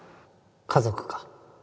家族か？